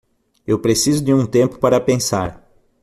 Eu preciso de um tempo para pensar.